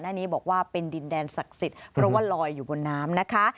หน้านี้บอกว่าเป็นดินแดนศักดิ์สิทธิ์เพราะว่าลอยอยู่บนน้ำนะคะ